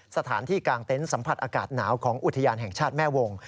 สถานที่กลางเต็นต์สัมผัสอากาศหนาวของอุทยานแห่งชาติแม่วง